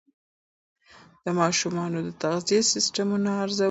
د ماشومانو د تغذیې سیستمونه ارزول شوي.